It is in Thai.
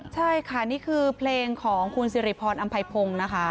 ใช่ค่ะนี่คือเพลงของคุณสิริพรอำไพพงศ์นะคะ